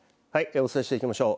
お伝えしていきましょう。